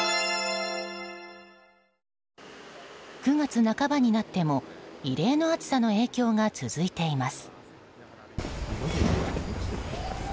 ９月半ばになっても異例の暑さの影響が続いています。